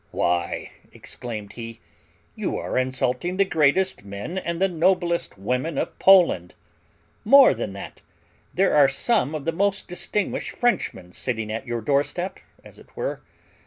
"Why," exclaimed he, "you are insulting the greatest men and the noblest women of Poland! More than that, there are some of the most distinguished Frenchmen sitting at your doorstep, as it were.